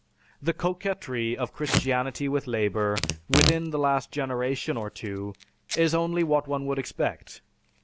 The coquetry of Christianity with Labor within the last generation or two is only what one would expect.